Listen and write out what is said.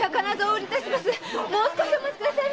もう少し待ってください。